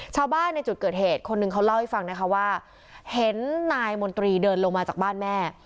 ชาวบ้านในจุดเกิดเหตุคนหนึ่งเขาเล่าให้ฟังนะคะว่าเห็นนายมนตรีเดินลงมาจากบ้านแม่